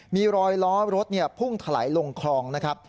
มีรอยล้อรถพุ่งถลายลงคลองนะครับ